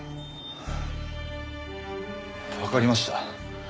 わかりました。